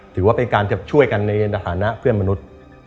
ถือว่าเป็นการจะช่วยกันในฐานะเพื่อนมนุษย์